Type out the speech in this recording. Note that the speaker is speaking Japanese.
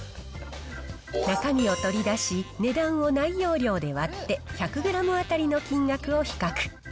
中身を取り出し、値段を内容量で割って、１００グラム当たりの金額を比較。